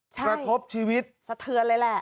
กระทบชีวิตสะเทือนเลยแหละ